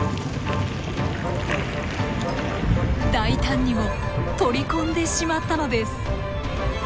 大胆にも取り込んでしまったのです！